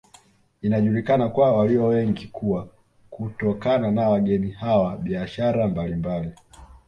Inajulikana kwa walio wengi kuwa kutokana na wageni hawa biashara mbalimbali